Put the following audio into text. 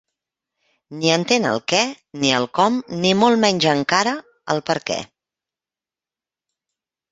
Ni entén el què ni el com ni molt menys encara el perquè.